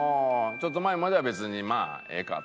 ちょっと前までは別にまあええかと？